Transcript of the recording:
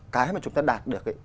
cái mà chúng ta đạt được ấy